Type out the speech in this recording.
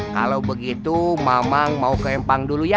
kalau begitu mamang mau ke empang dulu ya